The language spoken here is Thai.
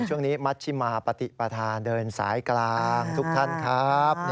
ช่วงนี้มัชชิมาปฏิประธานเดินสายกลางทุกท่านครับ